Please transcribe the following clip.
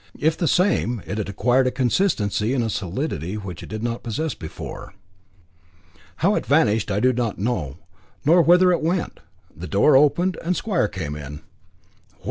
If the same, it had acquired a consistency and a solidity which it did not possess before. How it vanished I do not know, nor whither it went. The door opened, and Square came in. "What!"